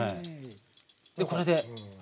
でこれで。